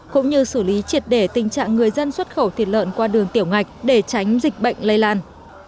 cũng như xử lý triệt để tình trạng người dân xuất khẩu thịt lợn qua đường tiểu ngạch để tránh dịch bệnh lây lan